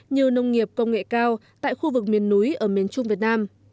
như nông nghiệp công nghệ cao tại khu vực miền núi ở miền trung việt nam